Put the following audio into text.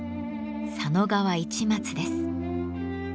佐野川市松です。